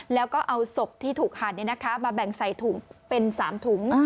แล้วก็เอาศพที่ถูกหั่นมาแบ่งใส่ถุงเป็น๓ถุง